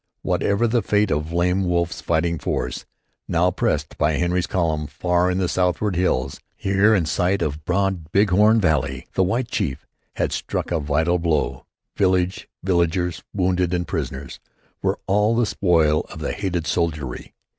Whatever the fate of Lame Wolf's fighting force, now pressed by Henry's column, far in the southward hills, here in sight of the broad Big Horn valley, the white chief had struck a vital blow. Village, villagers, wounded and prisoners were all the spoil of the hated soldiery.